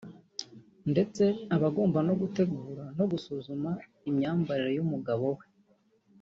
ndetse aba agomba no gutegura no gusuzuma imyambarire y’umugabo we